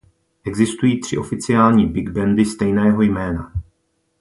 Existují tři oficiální big bandy stejného jména.